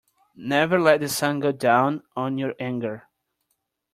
Never let the sun go down on your anger.